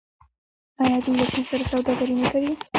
آیا دوی له چین سره سوداګري نه کوي؟